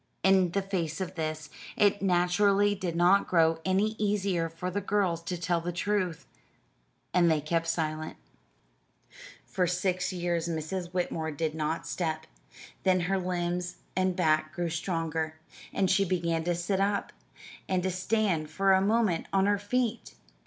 In the face of this, it naturally did not grow any easier for the girls to tell the truth and they kept silent. For six years Mrs. Whitmore did not step; then her limbs and back grew stronger, and she began to sit up, and to stand for a moment on her feet.